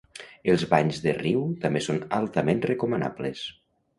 Els banys de riu també són altament recomanables.